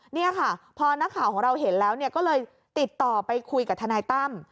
นี่ค่ะพอนักข่าวของเราเห็นแล้วก็เลยติดต่อไปคุยกับทนายตั้ม